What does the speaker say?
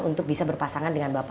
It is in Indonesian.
untuk bisa berpasangan dengan p tiga